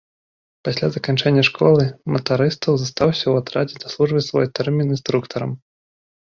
Пасля заканчэння школы матарыстаў застаўся ў атрадзе даслужваць свой тэрмін інструктарам.